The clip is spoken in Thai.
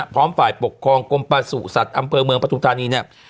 พร้อมฝ่ายปกครองกรมประสุทธิ์อำเภอเมืองปฐุมธานีเนี่ย